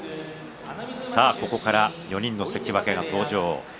ここから４人の関脇が登場。